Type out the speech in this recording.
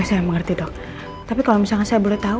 saya mengerti dok tapi kalau misalnya saya boleh tahu